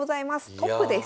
トップです。